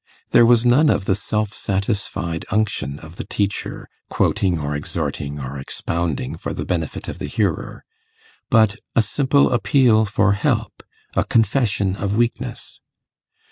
There was none of the self satisfied unction of the teacher, quoting, or exhorting, or expounding, for the benefit of the hearer, but a simple appeal for help, a confession of weakness.